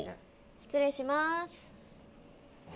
失礼します。